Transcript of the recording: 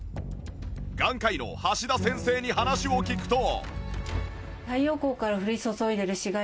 眼科医の橋田先生に話を聞くと